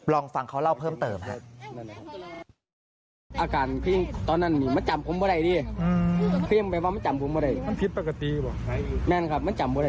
ลองฟังเขาเล่าเพิ่มเติมครับ